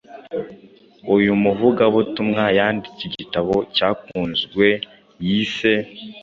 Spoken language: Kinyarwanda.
Uyu muvugabutumwa yanditse igitabo cyakunzwe yise ‘